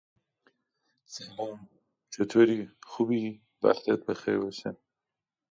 It may also accept Chinese and Latin alphabet variables.